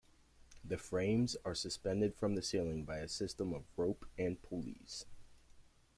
The frames are suspended from the ceiling by a system of rope and pulleys.